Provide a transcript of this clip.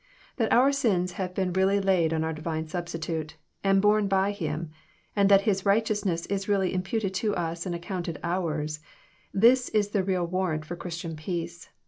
That our sins have been really laid on our Divine Substitute, and borne by Him, and that His righteousness is really imputed to us and accounted ours, — this is the real warrant for Christian peace.